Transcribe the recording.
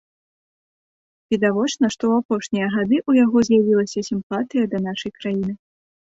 Відавочна, што ў апошнія гады ў яго з'явілася сімпатыя да нашай краіны.